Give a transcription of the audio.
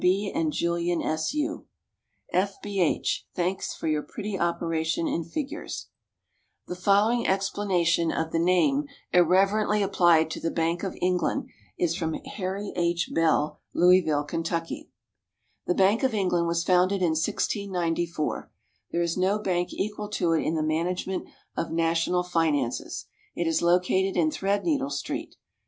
B., and Julien S. U. F. B. H. Thanks for your pretty operation in figures. The following explanation of the name irreverently applied to the Bank of England is from Harry H. Bell, Louisville, Kentucky: The Bank of England was founded in 1694. There is no bank equal to it in the management of national finances. It is located in Threadneedle Street.